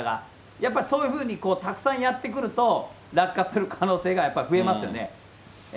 やっぱりそういうふうにたくさんやってくると、落下する可能性がやっぱり増えますよね。